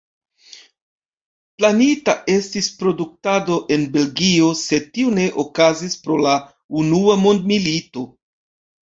Planita estis produktado en Belgio, sed tio ne okazis pro la unua mondmilito.